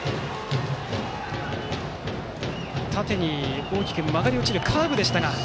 縦に大きく曲がり落ちるカーブでした。